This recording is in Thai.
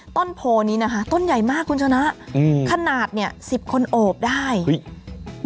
ต้นโพนี้นะคะต้นใหญ่มากคุณชนะอืมขนาดเนี้ยสิบคนโอบได้อุ้ย